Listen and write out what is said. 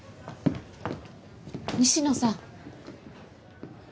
西野さん。